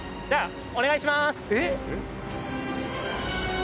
じゃあ。